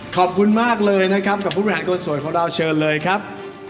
ขอบคุณมากเลยนะครับกับผู้บริหารคนสวยของเราเชิญเลยครับ